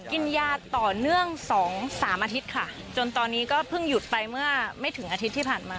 กินยาต่อเนื่องสองสามอาทิตย์ค่ะจนตอนนี้ก็เพิ่งหยุดไปเมื่อไม่ถึงอาทิตย์ที่ผ่านมา